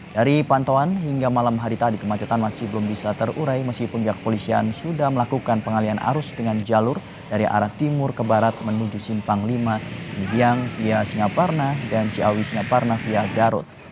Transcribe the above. dari pantauan hingga malam hari tadi kemacetan masih belum bisa terurai meskipun pihak polisian sudah melakukan pengalian arus dengan jalur dari arah timur ke barat menuju simpang vyang via singaparna dan ciawi singaparnavia garut